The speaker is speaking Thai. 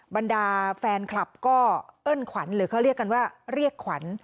บรรดาแฟนคลับก็เอิ้นขวัญหรือเขาเรียกกันว่าเรียกขวัญ